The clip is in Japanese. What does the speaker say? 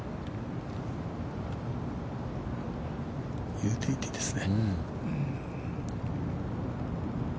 ユーティリティーですね。